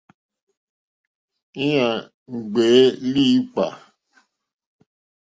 Íɲa í ŋɡbèé líǐpkà.